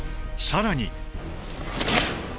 更に。